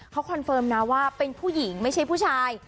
เขาคอนเฟิร์มนะว่าเป็นผู้หญิงไม่ใช่ผู้ชาย